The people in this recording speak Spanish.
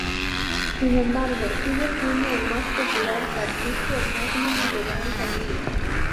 Sin embargo, sigue siendo el más popular cartucho Magnum de gran calibre.